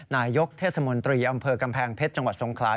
นายกเทศมนตรีอำเภอกำแพงเพชรจังหวัดทรงคลา